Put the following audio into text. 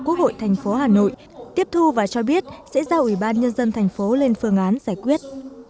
quốc hội thành phố hà nội tiếp thu và cho biết sẽ giao ủy ban nhân dân thành phố lên phương án giải quyết